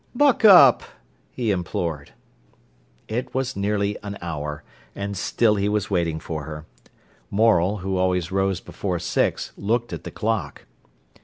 "Buck up!" he implored. It was nearly an hour, and still he was waiting for her. Morel, who always rose before six, looked at the clock.